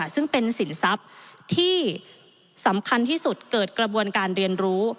ซึ่งเป็นสินทรัพย์ที่สำคัญที่สุดเกิดกระบวนการเรียนรู้